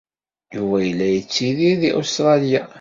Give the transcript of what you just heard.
Yuba yella yettidir deg Ustṛalya.